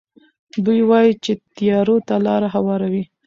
دوی وايي چې تیارو ته لارې هواروي.